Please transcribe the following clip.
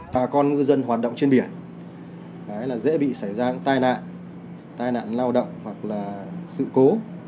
bà con ngư dân hoạt động trên biển dễ bị xảy ra những tai nạn tai nạn lao động hoặc là sự cố